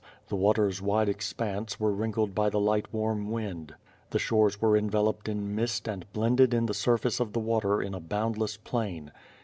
The waters wide expanse were wrinkled by the light warm wind. The shores were enveloped in mist and blended in the sur face of the water in a boundless plain.